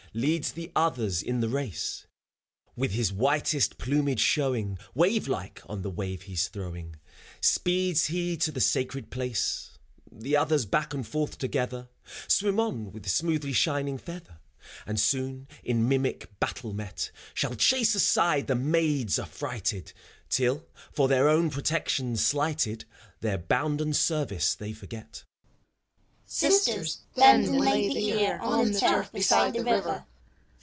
Leads the others in the race; With his whitest plumage showing Wave like on the wave he's throwing, Speeds he to the sacred place. ... The others back and forth together Swim on with smoothly shining feather, And soon, in mimic battle met. ACT II. Shall chase aside iJie maids affrighted, Till, for their own protection slighted, Their bounden service they forget. NYMPHS. Sisters, bend and lay the ear On the turf beside the river!